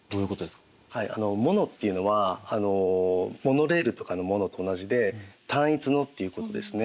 「モノ」っていうのはモノレールとかの「モノ」と同じで「単一の」っていうことですね。